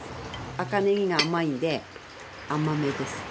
赤ねぎが甘いので甘めです。